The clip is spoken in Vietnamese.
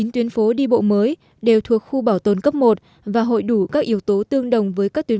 chín tuyến phố đi bộ mới đều thuộc khu bảo tồn cấp một và hội đủ các yếu tố tương đồng với các tuyến